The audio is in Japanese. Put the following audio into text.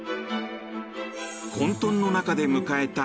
混とんの中で迎えた